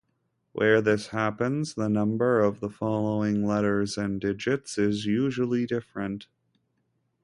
Where this happens, the number of the following letters and digits is usually different.